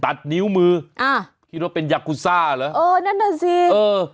ตัดนิ้วมืออ่าคิดว่าเป็นยากุซ่าเหรอเออนั่นน่ะสิเออ